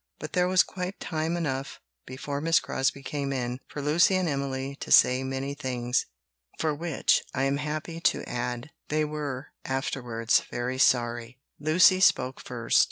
But there was quite time enough, before Miss Crosbie came in, for Lucy and Emily to say many things, for which, I am happy to add, they were afterwards very sorry. Lucy spoke first.